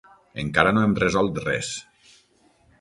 Encara no hem resolt res.